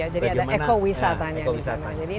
jadi ada ekowisatanya di sana